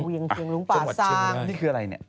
นี่คืออะไรเนี่ย